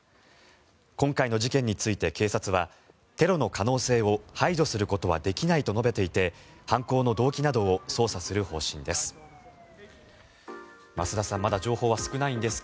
今回の事件について警察はテロの可能性を排除することはできないと述べていて犯行の動機などを捜査する方針です。